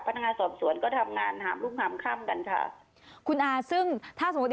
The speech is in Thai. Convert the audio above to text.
พนักงานสอบสวนก็ทำงานหามลูกหามค่ำกันค่ะคุณอาซึ่งถ้าสมมุติ